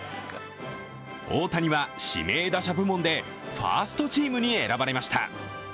大谷は指名打者部門でファーストチームに選ばれました。